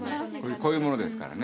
こういうものですから。